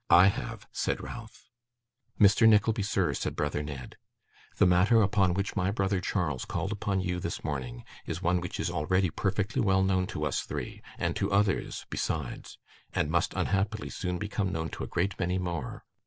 'I have,' said Ralph. 'Mr. Nickleby, sir,' said brother Ned, 'the matter upon which my brother Charles called upon you this morning is one which is already perfectly well known to us three, and to others besides, and must unhappily soon become known to a great many more.